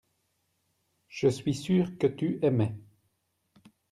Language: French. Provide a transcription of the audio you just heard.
je suis sûr que tu aimais.